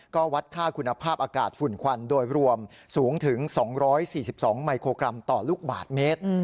ก็วัดค่าคุณภาพอากาศฝุ่นควันโดยรวมสูงถึง๒๔๒มิโครกรัมต่อลูกบาทเมตร